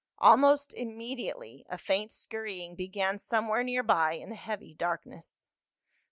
Almost immediately a faint scurrying began somewhere near by in the heavy darkness.